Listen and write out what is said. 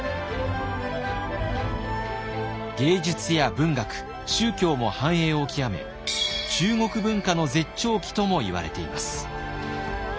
芸術や文学宗教も繁栄を極め中国文化の絶頂期ともいわれています。